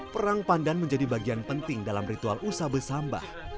perang pandan menjadi bagian penting dalam ritual usabe sambah